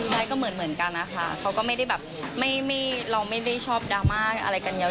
ใช่ก็เหมือนกันนะคะเขาก็ไม่ได้แบบเราไม่ได้ชอบดราม่าอะไรกันยาว